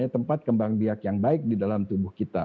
tempat kembang biak yang baik di dalam tubuh kita